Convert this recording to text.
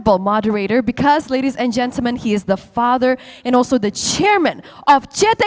pada pembicaraan panel sebelumnya